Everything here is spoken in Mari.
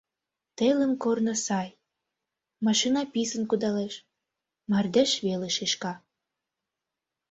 Телым корно сай, машина писын кудалеш, мардеж веле шӱшка.